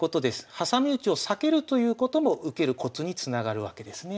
はさみうちを避けるということも受けるコツにつながるわけですね。